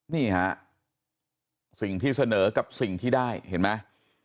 นี่ฮะสิ่งที่เสนอกับสิ่งที่ได้เห็นไหม